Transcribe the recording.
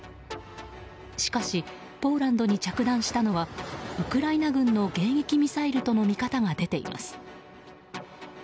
しかしポーランドに着弾したのはウクライナ軍の迎撃ミサイルとの見方が出ています。